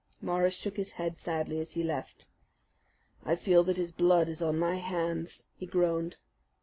Morris shook his head sadly as he left. "I feel that his blood is on my hands," he groaned.